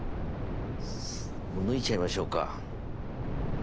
もう抜いちゃいましょうか。